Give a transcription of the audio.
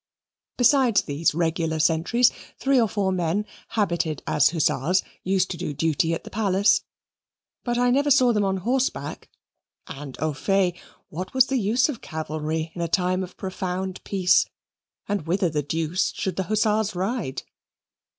Besides the regular sentries, three or four men, habited as hussars, used to do duty at the Palace, but I never saw them on horseback, and au fait, what was the use of cavalry in a time of profound peace? and whither the deuce should the hussars ride?